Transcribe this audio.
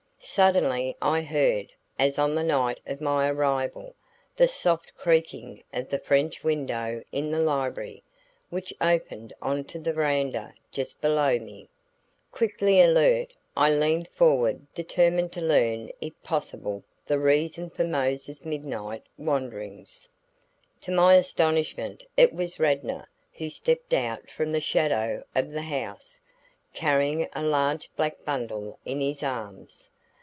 Suddenly I heard, as on the night of my arrival, the soft creaking of the French window in the library, which opened on to the veranda just below me. Quickly alert, I leaned forward determined to learn if possible the reason for Mose's midnight wanderings. To my astonishment it was Radnor who stepped out from the shadow of the house, carrying a large black bundle in his arms.